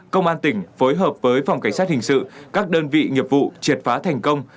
công an tỉnh phối hợp với phòng cảnh sát hình sự các đơn vị nghiệp vụ triệt phá thành công